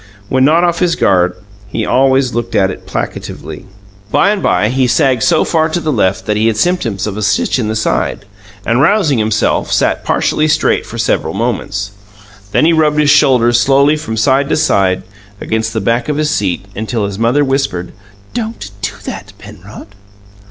When not off his guard, he always looked at it placatively. By and by, he sagged so far to the left that he had symptoms of a "stitch in the side", and, rousing himself, sat partially straight for several moments. Then he rubbed his shoulders slowly from side to side against the back of the seat, until his mother whispered, "Don't do that, Penrod."